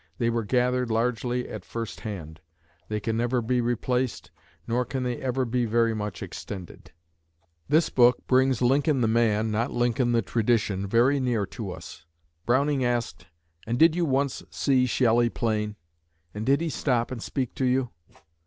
They were gathered largely at first hand. They can never be replaced, nor can they ever be very much extended. This book brings Lincoln the man, not Lincoln the tradition, very near to us. Browning asked, "And did you once see Shelley plain? And did he stop and speak to you?"